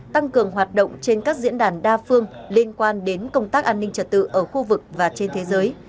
tăng cường hoạt động trên các diễn đàn đa phương liên quan đến công tác an ninh trật tự ở khu vực và trên thế giới